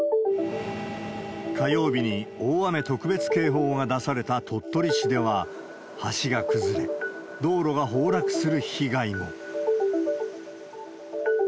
火曜日に大雨特別警報が出された鳥取市では橋が崩れ、道路が崩落する被害も。